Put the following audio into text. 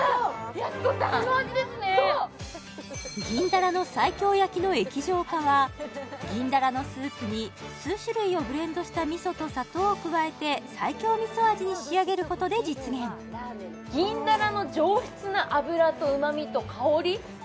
やす子さん銀だらの西京焼きの液状化は銀だらのスープに数種類をブレンドした味噌と砂糖を加えて西京味噌味に仕上げることで実現で超おいしいですそうです